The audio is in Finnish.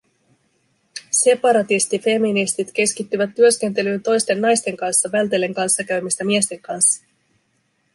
Separatistifeministit keskittyvät työskentelyyn toisten naisten kanssa vältellen kanssakäymistä miesten kanssa